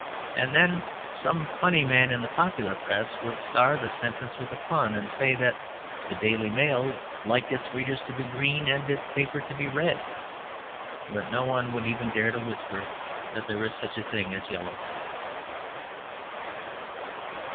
And then some funny man in the popular Press would star the sentence with a pun, and say that the DAILY MAIL liked its readers to be green and its paper to be read. But no one would even dare to whisper that there is such a thing as yellow.